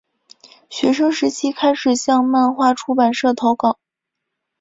学生时期开始向漫画出版社投稿。